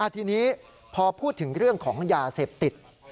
ทีนี้พอพูดถึงเรื่องของยาเสพติด